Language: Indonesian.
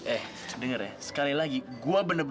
eh denger ya sekali lagi gue bener bener beri lo